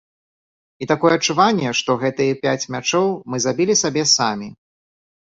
І такое адчуванне, што гэтыя пяць мячоў мы забілі сабе самі.